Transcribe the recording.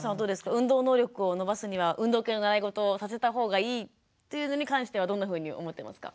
運動能力を伸ばすには運動系の習い事をさせた方がいいっていうのに関してはどんなふうに思ってますか？